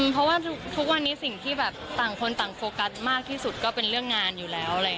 เพราะว่าทุกวันนี้สิ่งที่แบบต่างคนต่างโฟกัสมากที่สุดก็เป็นเรื่องงานอยู่แล้ว